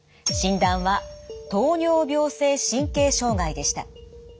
診断は糖尿病性神経障害でした。